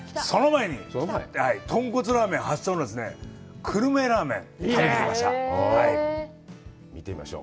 その前に、とんこつラーメン発祥の久留米ラーメンを食べてきました。